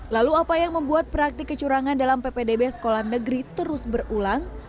lalu apa yang membuat praktik kecurangan dalam ppdb sekolah negeri terus berulang